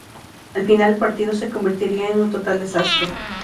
Al final el partido se convertiría en un total desastre.